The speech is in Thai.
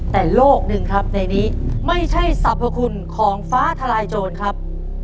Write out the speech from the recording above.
แต่โลกหนึ่งครับในนี้ไม่ใช่สรรพคุณของฟ้าทลายโจรครับ